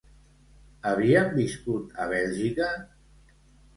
Havien viscut a Bèlgica?